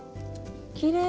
きれい！